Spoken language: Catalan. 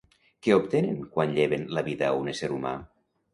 Què obtenen quan lleven la vida a un ésser humà?